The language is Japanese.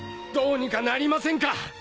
どうにかなりませんか。